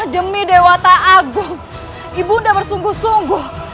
demi dewa ta'agung ibu nda bersungguh sungguh